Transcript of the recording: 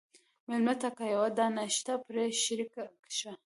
مېلمه ته که یوه دانه شته، پرې شریک شه.